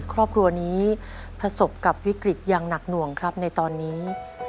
ครอบครัวนี้ประสบกับวิกฤตอย่างหนักหน่วงครับในตอนนี้